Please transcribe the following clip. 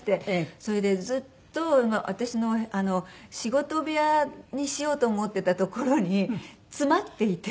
それでずっと私の仕事部屋にしようと思ってた所に詰まっていて。